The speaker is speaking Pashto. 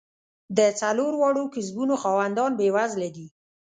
د څلور واړو کسبونو خاوندان بېوزله دي.